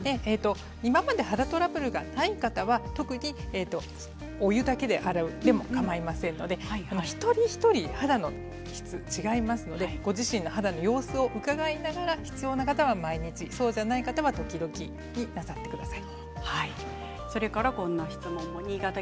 今まで肌トラブルがない方は特にお湯だけで洗うでもかまいませんので一人一人、肌の質は違いますのでご自身の肌の様子をうかがいながら必要な方は毎日そうじゃない方は時々になさってください。